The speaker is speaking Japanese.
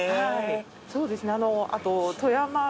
そうですねあと。